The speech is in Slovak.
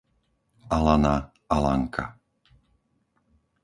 Alana, Alanka